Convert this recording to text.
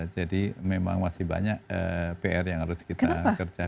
jadi memang masih banyak pr yang harus kita kerjakan